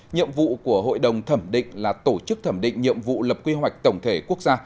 nhiệm vụ của hội đồng thẩm định là tổ chức thẩm định nhiệm vụ lập quy hoạch tổng thể quốc gia